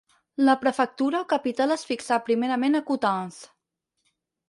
La prefectura o capital es fixà primerament a Coutances.